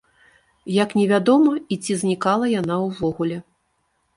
Як невядома і ці знікала яна ўвогуле.